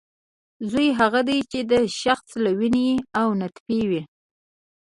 زوی هغه دی چې د شخص له وینې او نطفې وي